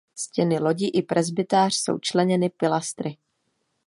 Stěny lodi i presbytář jsou členěny pilastry.